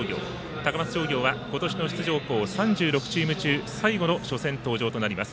高松商業は今年の出場３６チーム中最後の初戦登場となります。